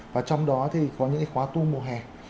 và trong đó thì có những cái khóa tu mùa hè